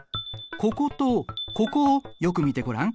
こことここをよく見てごらん。